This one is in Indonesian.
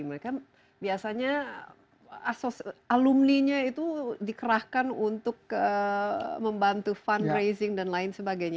mereka biasanya alumninya itu dikerahkan untuk membantu fundraising dan lain sebagainya